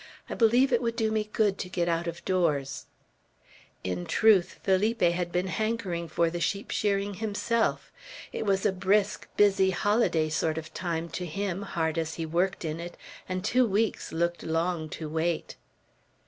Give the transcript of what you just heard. I believe it would do me good to get out of doors." In truth, Felipe had been hankering for the sheep shearing himself. It was a brisk, busy, holiday sort of time to him, hard as he worked in it; and two weeks looked long to wait.